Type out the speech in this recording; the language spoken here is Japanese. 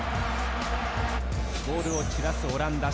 ボールを散らすオランダ。